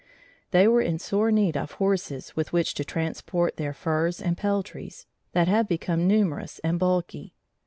They were in sore need of horses with which to transport their furs and peltries, that had become numerous and bulky.